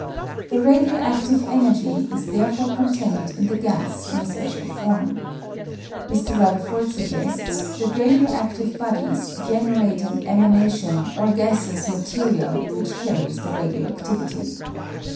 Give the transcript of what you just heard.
The radio adtive energy is therefore contained in the gas in a special form. Mr. Rutherford suggests that radio adtive bodies generate an emanation or gaseous material which carries the radio adtivity.